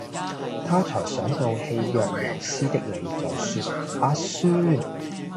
她才想到氣若游絲的你在說「阿孫」！